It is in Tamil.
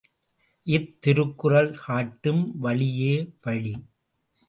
இத்திருக்குறள் காட்டும் வழியே வழி.